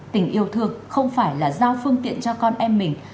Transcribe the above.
tình yêu thương không phải là giao phương tiện cho con em mình